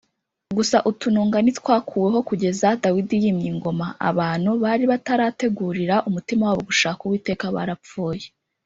Gusa utununga ntitwakuweho kugeza dawidi yimye ingoma. Abantu bari batarategurira umutima wabo gushaka uwiteka barapfuye